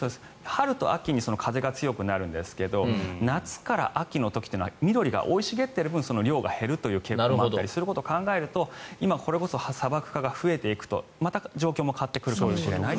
春と秋に風が強くなるんですけど夏から秋の時は緑が生い茂っている分量が減るという傾向を考えると今、砂漠化が増えていくとまた状況も変わっていくかもしれないと。